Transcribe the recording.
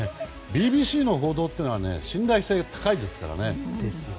ＢＢＣの報道っていうのは信頼性が高いですからね。